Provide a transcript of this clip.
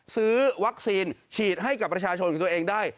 ซื้อวัคซีนฉีดให้กับประชาชนของตัวเองได้